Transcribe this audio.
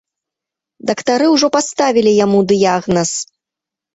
Дактары ўжо паставілі яму дыягназ.